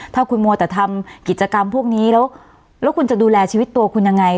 ถ้าคุณมัวแต่ทำกิจกรรมพวกนี้แล้วคุณจะดูแลชีวิตตัวคุณยังไง